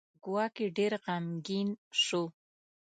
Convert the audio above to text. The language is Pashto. ګواکې ډېر غمګین شو.